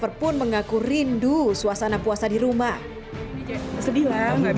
itu ngangin banget ya bikin kesel